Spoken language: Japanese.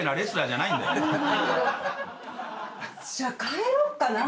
じゃあ帰ろうかな。